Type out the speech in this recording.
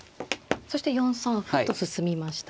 そして４三歩と進みました。